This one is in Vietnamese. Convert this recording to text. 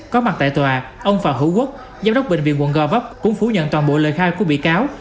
có mặt tại tòa ông phạm hữu quốc giám đốc bệnh viện quận gò vấp cũng phủ nhận toàn bộ lời khai của bị cáo